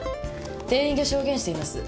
店員が証言しています。